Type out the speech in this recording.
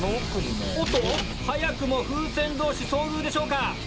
早くも風船同士遭遇でしょうか。